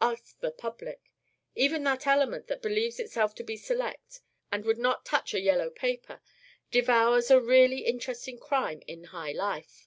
"Ask the public. Even that element that believes itself to be select and would not touch a yellow paper devours a really interesting crime in high life.